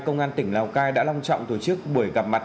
công an tỉnh lào cai đã long trọng tổ chức buổi gặp mặt